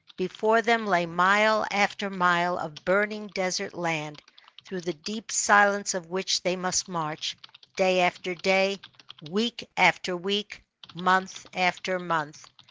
Before them lay mile after mile of burning desert land, through the deep silence of which, they must march, da} after day, week after week, month after month.